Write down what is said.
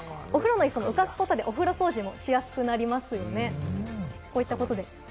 浮かすことでお風呂掃除もしやすくなりますよね。